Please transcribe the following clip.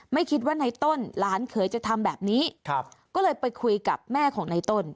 ไม่คิดว่าในต้นหลานเขยจะทำแบบนี้ก็เลยไปคุยกับแม่ของในต้น